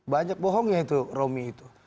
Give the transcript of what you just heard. banyak bohongnya itu romi itu